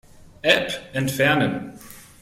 App entfernen.